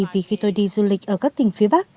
vì khi tôi đi du lịch ở các tỉnh phía bắc